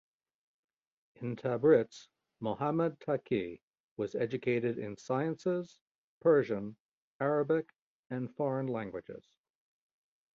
In Tabriz Mohammad Taqi was educated in sciences, Persian, Arabic and foreign languages.